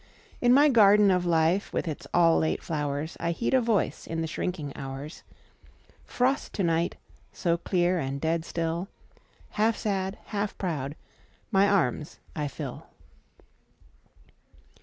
.... .In my garden of Life with its all late flowersI heed a Voice in the shrinking hours:"Frost to night—so clear and dead still" …Half sad, half proud, my arms I fill.